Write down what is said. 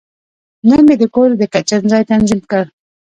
نن مې د کور د کچن ځای تنظیم کړ.